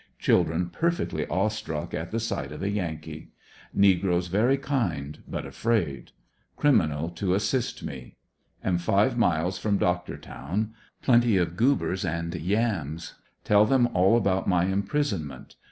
Chil dren perfectly awe struck at the sight of a Yankee. Negroes very kind but afraid. Criminal to assist me. Am five miles from Doc tortown. Plenty of "gubers" and yams. Tell them all about my imprisonment.